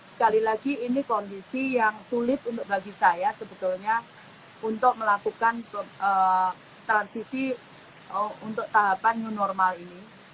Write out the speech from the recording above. sekali lagi ini kondisi yang sulit untuk bagi saya sebetulnya untuk melakukan transisi untuk tahapan new normal ini